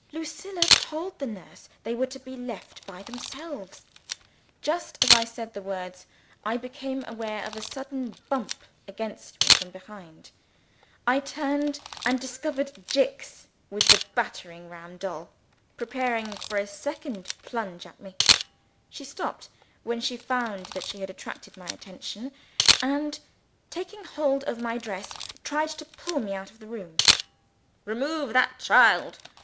Lucilla told the nurse they were to be left by themselves." Just as I said the words, I became aware of a sudden bump against me from behind. I turned, and discovered Jicks with the battering ram doll, preparing for a second plunge at me. She stopped, when she found that she had attracted my attention; and, taking hold of my dress, tried to pull me out of the room. "Remove that child!"